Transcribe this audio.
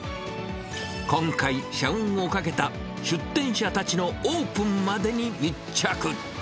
今回、社運をかけた出店者たちのオープンまでに密着。